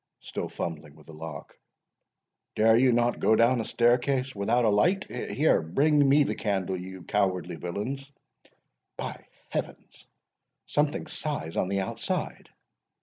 —(still fumbling with the lock)—"dare you not go down a stair case without a light? Here, bring me the candle, you cowardly villains!—By Heaven, something sighs on the outside!"